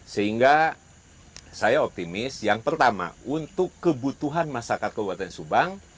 sehingga saya optimis yang pertama untuk kebutuhan masyarakat kabupaten subang